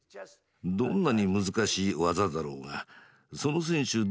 どんなに難しい技だろうがその選手